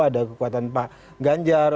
ada kekuatan pak ganjar